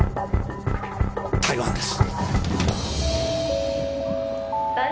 台湾です！